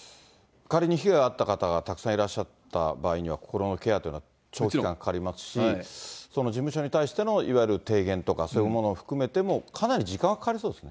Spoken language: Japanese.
仮に被害があった方がたくさんいらっしゃった場合には、心のケアというのは長期間かかりますし、事務所に対しての、いわゆる提言とか、そういうものを含めても、かなり時間はかかりそうです